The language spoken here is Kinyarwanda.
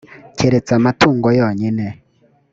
keretse amatungo yonyine